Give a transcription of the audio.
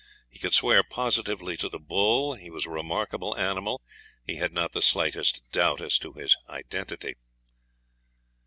He could swear positively to the bull; he was a remarkable animal. He had not the slightest doubt as to his identity.